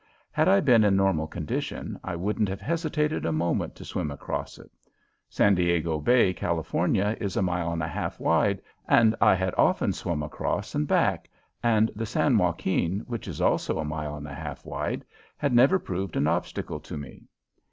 Had I been in normal condition I wouldn't have hesitated a moment to swim across. San Diego Bay, California, is a mile and a half wide, and I had often swum across and back, and the San Joaquin, which is also a mile and a half wide, had never proved an obstacle to me.